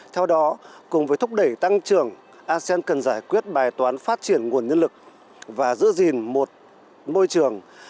theo đó cùng với thúc đẩy tăng trưởng asean cần giải quyết bài toán phát triển nguồn nhân lực và giữ gìn một môi trường